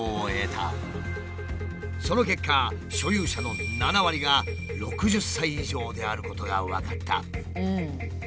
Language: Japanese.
その結果所有者の７割が６０歳以上であることが分かった。